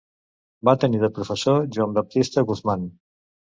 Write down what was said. Va tenir de professor Joan Baptista Guzmán.